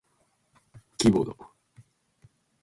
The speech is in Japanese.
キーボード